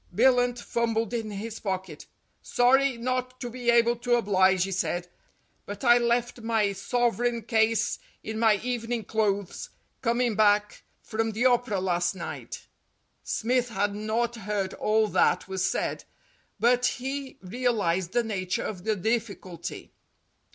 Billunt fumbled in his pocket. "Sorry not to be able to oblige," he said, "but I left my sovereign case in my evening clothes, coming back from the Opera last night." Smith had not heard all that was said, but he real ized the nature of the difficulty.